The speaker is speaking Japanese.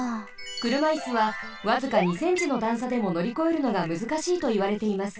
くるまイスはわずか２ｃｍのだんさでものりこえるのがむずかしいといわれています。